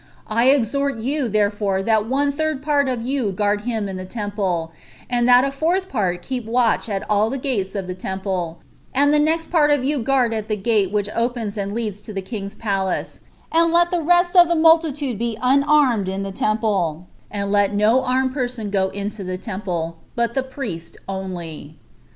I exhort you therefore that one third part of you guard him in the temple, and that a fourth part keep watch at all the gates of the temple, and that the next part of you keep guard at the gate which opens and leads to the king's palace, and let the rest of the multitude be unarmed in the temple, and let no armed person go into the temple, but the priest only."